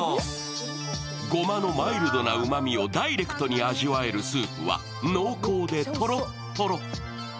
ごまのマイルドなうまみをダイレクトに味わえるスープは濃厚でとろっとろ。